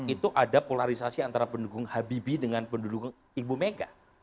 itu ada polarisasi antara pendukung habibie dengan pendukung ibu mega